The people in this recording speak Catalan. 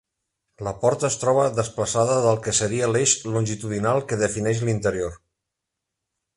La porta es troba desplaçada del que seria l'eix longitudinal que defineix l'interior.